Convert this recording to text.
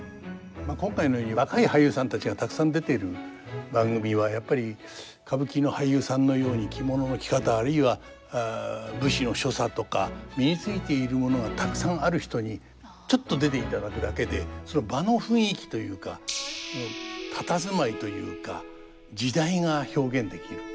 今回のように若い俳優さんたちがたくさん出ている番組はやっぱり歌舞伎の俳優さんのように着物の着方あるいは武士の所作とか身についているものがたくさんある人にちょっと出ていただくだけでその場の雰囲気というか佇まいというか時代が表現できる。